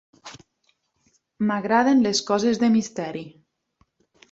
M'agraden les coses de misteri.